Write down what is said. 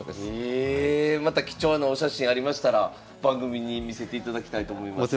えまた貴重なお写真ありましたら番組に見せていただきたいと思います。